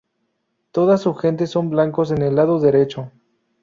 Toda su gente son blancos en el lado derecho".